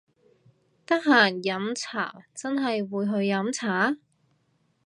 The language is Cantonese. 得閒飲茶真係會去飲茶！？